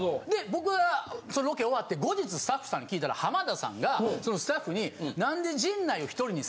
僕がそのロケ終わって後日スタッフさんに聞いたら浜田さんがそのスタッフに。